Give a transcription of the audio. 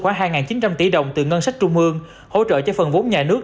khoảng hai chín trăm linh tỷ đồng từ ngân sách trung ương hỗ trợ cho phần vốn nhà nước